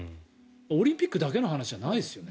オリンピックだけの話じゃないですよね。